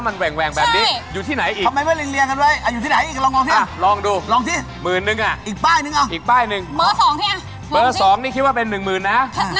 เบอร์๘ชัวร์นะ